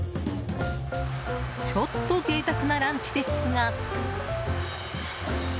ちょっと贅沢なランチですが。